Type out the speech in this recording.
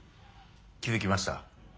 気付きました？